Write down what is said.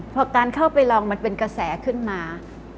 พอการเข้าไปลองมันเป็นกระแสขึ้นมา